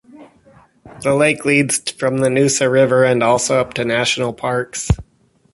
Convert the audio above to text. The lake leads from the Noosa River and also up to national parks.